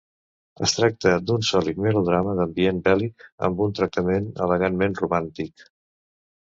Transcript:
Es tracta d'un sòlid melodrama d'ambient bèl·lic amb un tractament elegantment romàntic.